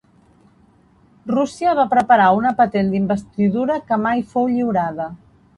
Rússia va preparar una patent d'investidura que mai fou lliurada.